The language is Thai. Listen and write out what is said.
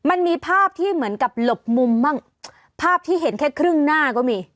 มันมีภาพที่เหมือนกับหลบมุมบ้างภาพที่เห็นแค่ครึ่งหน้าก็มี